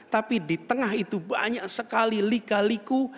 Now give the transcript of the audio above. tapi di tengah itu banyak sekali lika liku